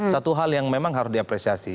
satu hal yang memang harus diapresiasi